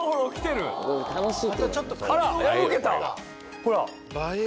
ほら。